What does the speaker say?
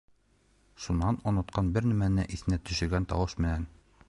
Шунан онотҡан бер нәмәне иҫенә төшөргән тауыш менән: